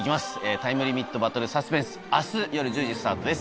タイムリミット・バトル・サスペンス明日夜１０時スタートです。